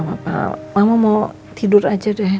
nggak apa apa mama mau tidur aja deh